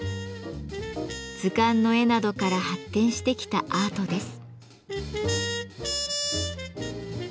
図鑑の絵などから発展してきたアートです。